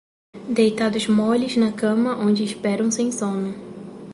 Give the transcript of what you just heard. deitados moles na cama onde esperam sem sono;